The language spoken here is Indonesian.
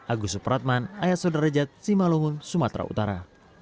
agus supratman ayat saudara jat simalungun sumatera utara